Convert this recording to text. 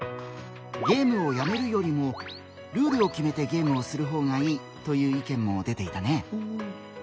「ゲームをやめるよりもルールを決めてゲームをする方がいい」という意見も出ていたね。